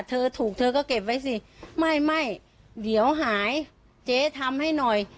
เธอถูกเธอก็เก็บไว้สิไม่ไม่เดี๋ยวหายเจ๊ทำให้หน่อย